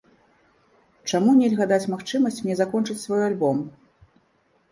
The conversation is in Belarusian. Чаму нельга даць магчымасць мне закончыць свой альбом?